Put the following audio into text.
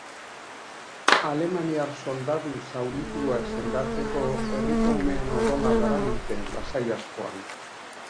Alemaniar soldadu zaurituak sendatzeko herriko umeen odola darabilte lasai askoan.